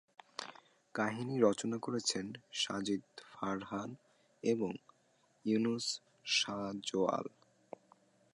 কাহিনী রচনা করেছেন সাজিদ-ফরহাদ এবং ইউনুস সাজোয়াল।